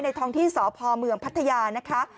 ในทองที่สพพัทยานะฮะ